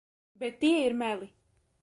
Bet tie ir meli.